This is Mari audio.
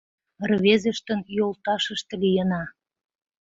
Рвезыштын йолташышт лийына.